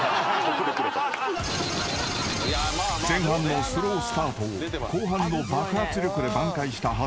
［前半のスロースタートを後半の爆発力で挽回した長谷川］